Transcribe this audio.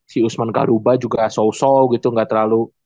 si usman garuba juga so so gitu nggak terlalu